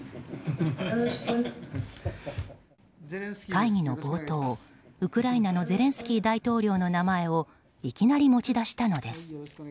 会議の冒頭、ウクライナのゼレンスキー大統領の名前をいきなり持ち出したのです。